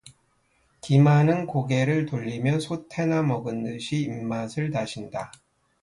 기만은 고개를 돌리며 소태나 먹은 듯이 입맛을 다신다.